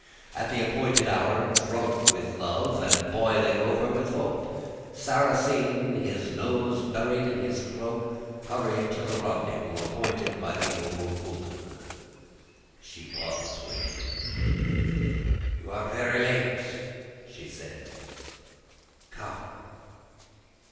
At the appointed hour, drunk with love and boiling over with hope, Sarrasine, his nose buried in his cloak, hurried to the rendezvous appointed by the old woman. She was waiting. "'You are very late,' she said. 'Come.